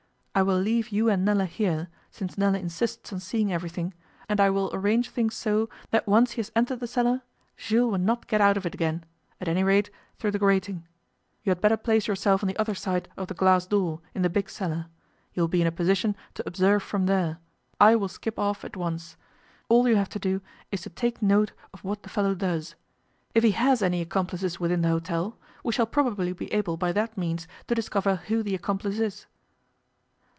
I will leave you and Nella here, since Nella insists on seeing everything, and I will arrange things so that once he has entered the cellar Jules will not get out of it again at any rate through the grating. You had better place yourselves on the other side of the glass door, in the big cellar; you will be in a position to observe from there, I will skip off at once. All you have to do is to take note of what the fellow does. If he has any accomplices within the hotel we shall probably be able by that means to discover who the accomplice is.